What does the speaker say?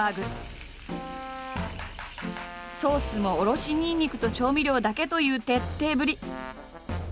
ソースもおろしにんにくと調味料だけという徹底ぶり。